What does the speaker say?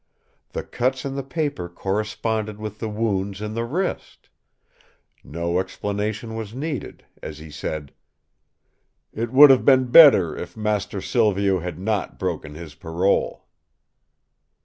The cuts in the paper corresponded with the wounds in the wrist! No explanation was needed, as he said: "It would have been better if master Silvio had not broken his parole!"